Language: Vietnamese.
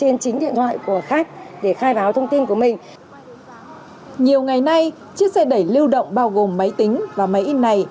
nhiều ngày nay chiếc xe đẩy lưu động bao gồm máy tính và máy in này